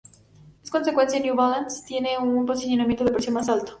En consecuencia New Balance tiene un posicionamiento de precio más alto.